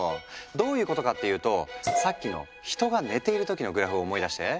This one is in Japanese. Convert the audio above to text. どういうことかっていうとさっきの人が寝ている時のグラフを思い出して。